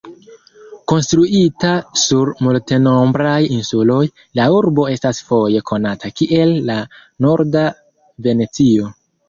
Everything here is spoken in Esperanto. Konstruita sur multenombraj insuloj, la urbo estas foje konata kiel "la Norda Venecio".